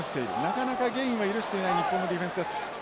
なかなかゲインは許していない日本のディフェンスです。